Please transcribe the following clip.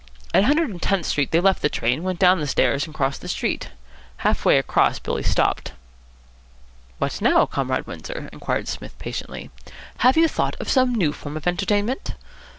At Hundred and Tenth Street they left the train, went down the stairs, and crossed the street. Half way across Billy stopped. "What now, Comrade Windsor?" inquired Psmith patiently. "Have you thought of some new form of entertainment?"